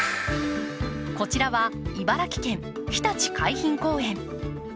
こちらは茨城県ひたち海浜公園。